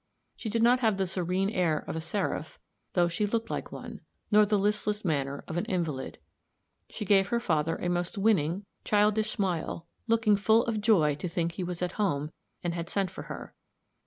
She did not have the serene air of a seraph, though she looked like one; nor the listless manner of an invalid. She gave her father a most winning, childish smile, looking full of joy to think he was at home, and had sent for her.